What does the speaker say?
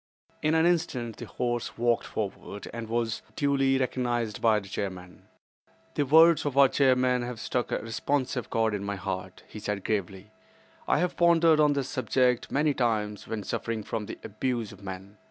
In an instant the horse walked forward, and was duly recognized by the chairman. "The words of our chairman have struck a responsive chord in my heart," he said gravely. "I have pondered on this subject many times when suffering from the abuse of men.